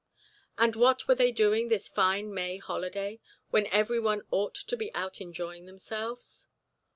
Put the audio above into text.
And what were they doing on this fine May holiday, when every one ought to be out enjoying themselves?